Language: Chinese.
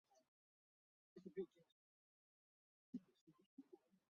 战场上通常将其以气溶胶的方式施放。